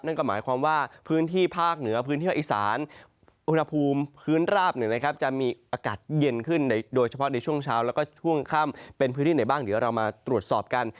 นั่นก็หมายความว่าพื้นที่ภาคเหนือพื้นที่ภาคอีสานอุณหภูมิพื้นราบจะมีอากาศเย็นขึ้นโดยเฉพาะในช่วงเช้าแล้วก็ช่วงค่ำเป็นพื้นที่ไหนบ้างเดี๋ยวเรามาตรวจสอบกัน